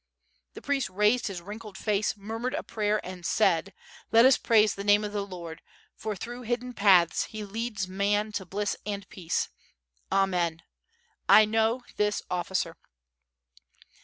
The priest raised his wrinkled face, murmured a prayer, and said: "Let us praise the name of the Lord, for through hidden paths he leads man to bliss and peace. Amen. I know this officer."